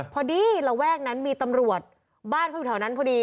ระแวกนั้นมีตำรวจบ้านเขาอยู่แถวนั้นพอดี